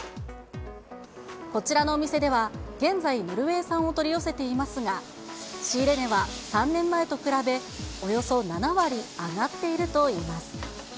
こちらのお店では、現在、ノルウェー産を取り寄せていますが、仕入れ値は３年前と比べ、およそ７割上がっているといいます。